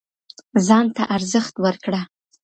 ځان ته ارزښت ورکړه